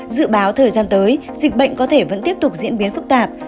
dự báo thời gian tới dịch bệnh có thể vẫn tiếp tục diễn biến phức tạp